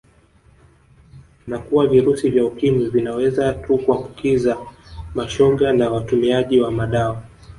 Na kuwa virusi vya Ukimwi vinaweza tu kuambukiza mashoga na watumiaji wa madawa